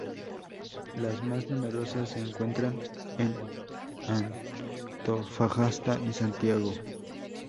Las más numerosas se encuentran en Antofagasta y Santiago.